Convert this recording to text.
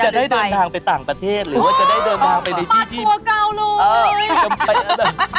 จะได้เดินทางไปต่างประเทศหรือว่าจะได้เดินทางไปในที่ที่แบบ